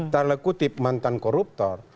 tarle kutip mantan koruptor